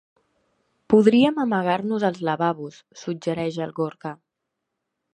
Podríem amagar-nos als lavabos —suggereix el Gorka—.